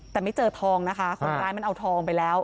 แต่ไม่เจอทองนะคะคนร้ายมันเอาทองไปแล้ว